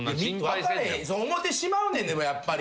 そう思うてしまうねんでもやっぱり。